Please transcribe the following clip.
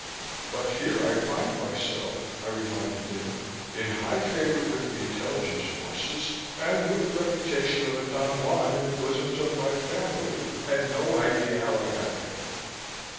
"But here I find myself," I reminded him, "in high favor with the intelligence forces and with the reputation of a Don Juan in the bosoms of my family, and no idea how I got there."